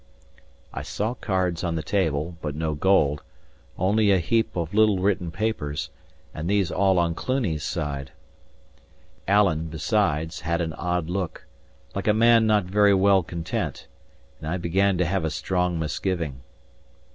I saw cards on the table, but no gold; only a heap of little written papers, and these all on Cluny's side. Alan, besides, had an odd look, like a man not very well content; and I began to have a strong misgiving.